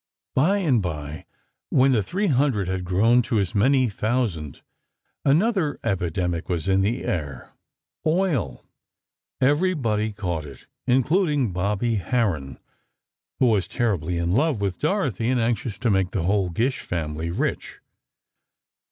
By and by, when the three hundred had grown to as many thousand, another epidemic was in the air. Oil! Everybody caught it, including Bobby Harron, who was terribly in love with Dorothy and anxious to make the whole Gish family rich.